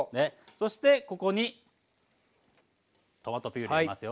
そしてここにトマトピュレ入れますよ。